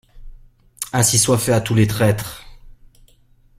Ainsi soit fait à tous les traîtres!